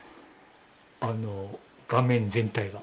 あの画面全体が。